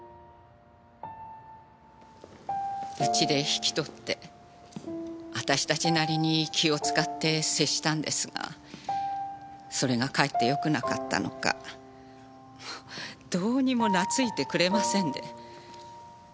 うちで引き取って私たちなりに気を使って接したんですがそれがかえって良くなかったのかどうにも懐いてくれませんで。